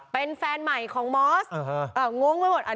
เป็นแฟนใหม่ของมอสงงไปหมด